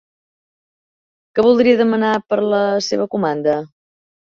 Que voldria demanar per la seva comanda?